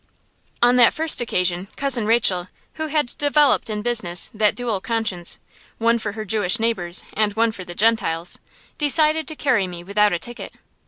On that first occasion, Cousin Rachel, who had developed in business that dual conscience, one for her Jewish neighbors and one for the Gentiles, decided to carry me without a ticket.